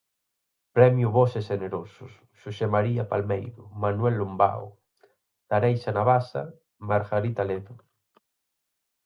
Premio Bos e Xenerosos: Xosé María Palmeiro, Manuel Lombao, Tareixa Navaza, Margarita Ledo.